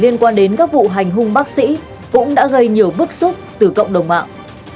liên quan đến các vụ hành hung bác sĩ cũng đã gây nhiều bức xúc từ cộng đồng mạng